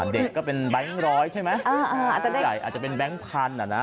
เด็กก็เป็นแบงค์ร้อยใช่ไหมใหญ่อาจจะเป็นแบงค์พันธนะ